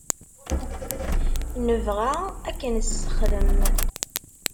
Nebɣa ad k-nessexdem.